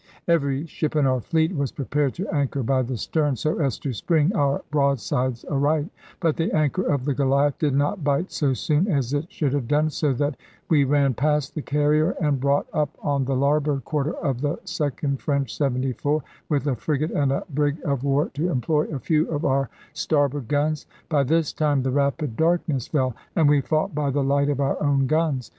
Every ship in our fleet was prepared to anchor by the stern, so as to spring our broadsides aright; but the anchor of the Goliath did not bite so soon as it should have done, so that we ran past the Carrier, and brought up on the larboard quarter of the second French 74, with a frigate and a brig of war to employ a few of our starboard guns. By this time the rapid darkness fell, and we fought by the light of our own guns.